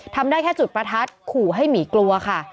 ทำได้แค่จุดประทัดขู่ให้หมีกลัวค่ะ